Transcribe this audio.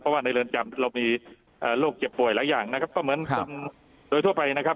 เพราะว่าในเรือนจำเรามีโรคเจ็บป่วยหลายอย่างนะครับก็เหมือนคนโดยทั่วไปนะครับ